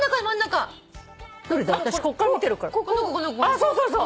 そうそうそう！